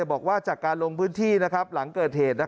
บอกว่าจากการลงพื้นที่หลังเกิดเหตุ